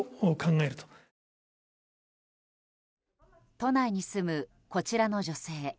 都内に住む、こちらの女性。